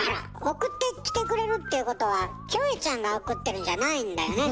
送ってきてくれるっていうことはキョエちゃんが送ってるんじゃないんだよね。